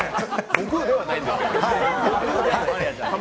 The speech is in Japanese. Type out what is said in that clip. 悟空ではないんですね。